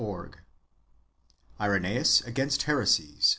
] IRENuEUS AGAINST HERESIES.